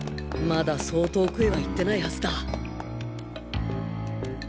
まだそう遠くへは行ってないはずだ